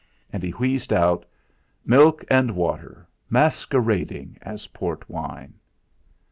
And he wheezed out: "Milk and water masquerading as port wine."